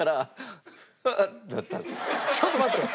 ちょっと待って。